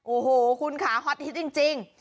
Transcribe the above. โอ้โหคุณค่ะฮอตฮิตจริง